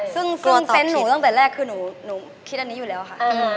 ซึ่งเซนต์หนูตั้งแต่แรกคือหนูคิดอันนี้อยู่แล้วค่ะ